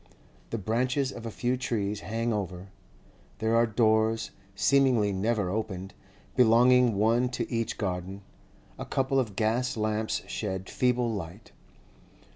The branches of a few trees hang over; there are doors, seemingly never opened, belonging one to each garden; a couple of gas lamps shed feeble light.